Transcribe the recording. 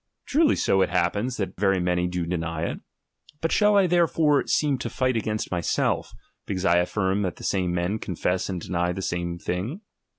Truly so it happens, that very many do deny it. But shall I therefore seem to fight against myself, because I affirm that the same men confess and deny the same thing